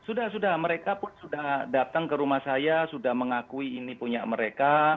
sudah sudah mereka pun sudah datang ke rumah saya sudah mengakui ini punya mereka